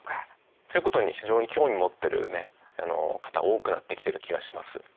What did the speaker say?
そういうことに非常に興味持ってる方多くなってきてる気がします。